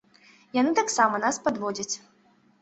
Яны таксама нас падводзяць.